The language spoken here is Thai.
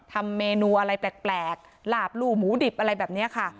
ทำเมนูอะไรแปลกหลาบลู่หมูดิบอะไรแบบนี้ค่ะ